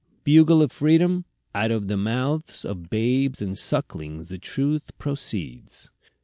Bugle of Freedom! out of the mouths of babes and sucklings the truth proceeds.